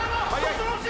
恐ろしい！